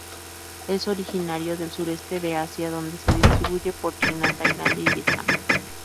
Es originario del sureste de Asia, donde se distribuye por China, Tailandia y Vietnam.